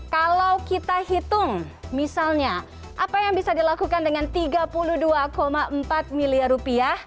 kalau kita hitung misalnya apa yang bisa dilakukan dengan tiga puluh dua empat miliar rupiah